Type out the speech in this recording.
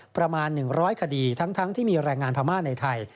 ประมาณ๑๐๐คดีทั้งที่มีแรงงานพม่าในไทย